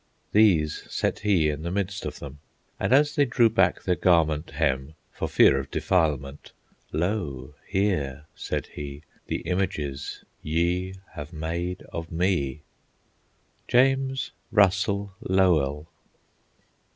These set he in the midst of them, And as they drew back their garment hem For fear of defilement, "Lo, here," said he, "The images ye have made of me." JAMES RUSSELL LOWELL.